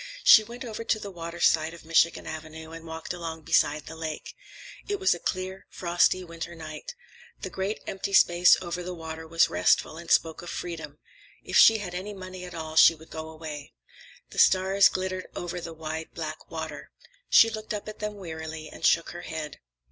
She went over to the waterside of Michigan Avenue and walked along beside the lake. It was a clear, frosty winter night. The great empty space over the water was restful and spoke of freedom. If she had any money at all, she would go away. The stars glittered over the wide black water. She looked up at them wearily and shook her head.